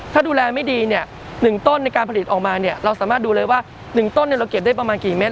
ถ้าดูแลไม่ดีเนี่ย๑ต้นในการผลิตออกมาเนี่ยเราสามารถดูเลยว่า๑ต้นเราเก็บได้ประมาณกี่เม็